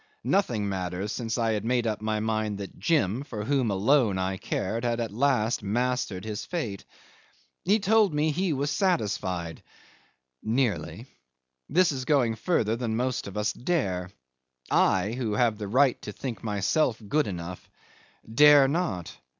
Nothing mattered, since I had made up my mind that Jim, for whom alone I cared, had at last mastered his fate. He had told me he was satisfied ... nearly. This is going further than most of us dare. I who have the right to think myself good enough dare not.